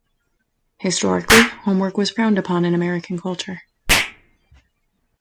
Historically, homework was frowned upon in American culture.